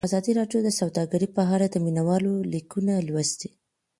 ازادي راډیو د سوداګري په اړه د مینه والو لیکونه لوستي.